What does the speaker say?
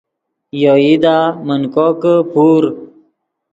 یو ایدا من کوکے پور